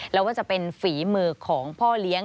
แล้วก็จะเป็นฝีมือของพ่อเลี้ยง